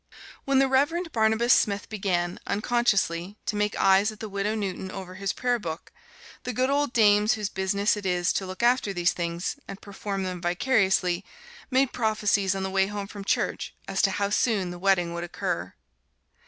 When the Reverend Barnabas Smith began, unconsciously, to make eyes at the Widow Newton over his prayer book, the good old dames whose business it is to look after these things, and perform them vicariously, made prophecies on the way home from church as to how soon the wedding would occur.